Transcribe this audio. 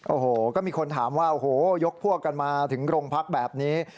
โอ้โหก็มีคนถามว่าโอ้โหยกพวกกันมาถึงโรงพักแบบนี้